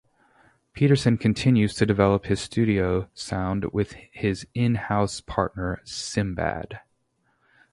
Peterson continues to develop his studio sound with his in-house partner Simbad.